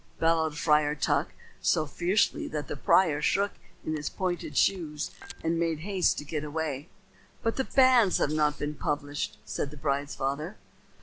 bellowed Friar Tuck, so fiercely that the prior shook in his pointed shoes and made haste to get away. "But the banns have not been published," said the bride's father.